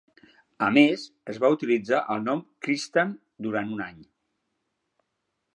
A més, es va utilitzar el nom Kristen durant un any.